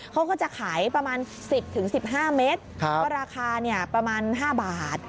เขาก็จะขายประมาณ๑๐๑๕เมตรก็ราคาประมาณ๕บาท